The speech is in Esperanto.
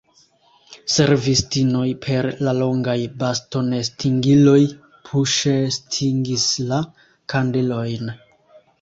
Servistinoj per la longaj bastonestingiloj puŝestingis la kandelojn.